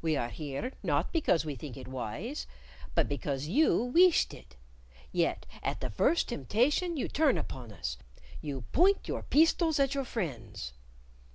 We are here, not because we think it wise, but because you weeshed it. Yet at the first temptation you turn upon us, you point your peestols at your friends."